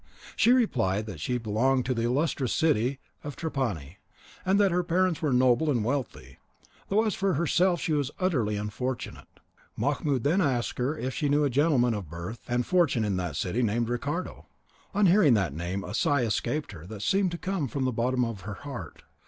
She replied that she belonged to the illustrious city of Trapani, and that her parents were noble and wealthy, though as for herself she was utterly unfortunate. Mahmoud then asked her if she knew a gentleman of birth and fortune in that city, named Ricardo. On hearing that name a sigh escaped her that seemed to come from the bottom of her heart.